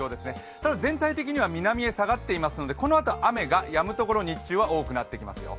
ただ、全体的には南へ下がっていますのでこのあと雨がやむ場所が多くなってきますよ。